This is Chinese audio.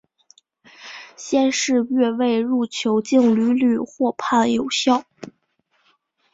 先是越位入球竟屡屡获判有效。